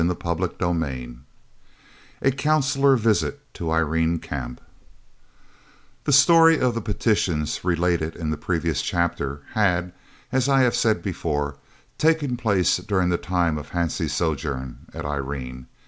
CHAPTER XIII A CONSULAR VISIT TO IRENE CAMP The story of the petitions, related in the previous chapter, had, as I have said before, taken place during the time of Hansie's sojourn at Irene.